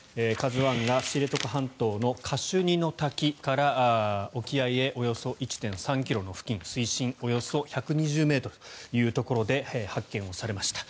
「ＫＡＺＵ１」が知床半島のカシュニの滝から沖合へおよそ１．３ｋｍの付近水深およそ１２０ｍというところで発見されました。